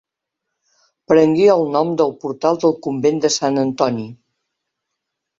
Prengué el nom del portal del convent de Sant Antoni.